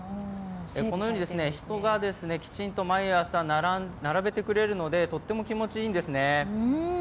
このように、人がきちんと毎朝並べてくれるのでとっても気持ちいいんですね。